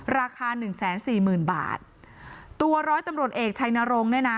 ราคา๑๔๐๐๐๐บาทตัวร้อยตำรวจเอกชัยนรงค์นะนะ